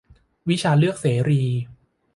วิชาเลือกเสรี